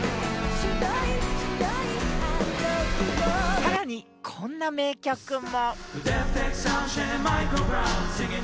さらに、こんな名曲も。